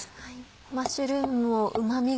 マッシュルームもうま味が。